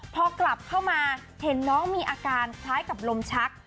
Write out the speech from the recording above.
พอกลับเข้ามาเห็นน้องมีอาการคล้ายกับลมชัก